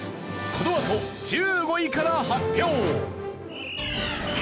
このあと１５位から発表！